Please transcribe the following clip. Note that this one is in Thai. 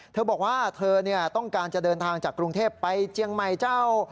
เธอบอกว่าเธอต้องการจะเดินทางจากกรุงเทพไปเจียงใหม่เจ้า